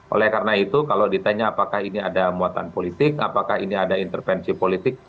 oleh karena itu kalau ditanya apakah ini ada muatan politik apakah ini ada intervensi politik